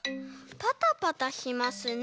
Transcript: パタパタしますね。